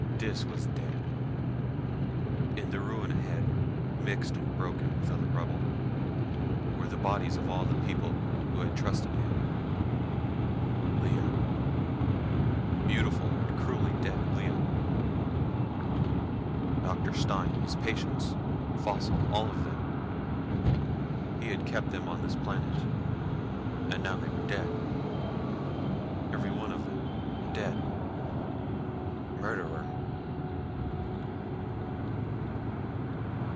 Dis was dead. In the ruin ahead, mixed and broken with other rubble, were the bodies of all the people who had trusted him. Lea ... beautiful and cruelly dead Lea. Doctor Stine, his patients, Faussel, all of them. He had kept them on this planet, and now they were dead. Every one of them. Dead. Murderer!